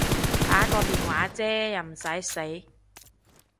打個電話啫又唔駛死